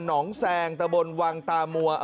หนองแซงตบลวังตามวะ